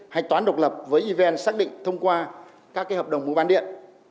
hành toán độc lập với even xác định thông qua các hợp đồng mua bán điện